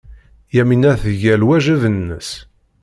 Yamina tga lwajeb-nnes.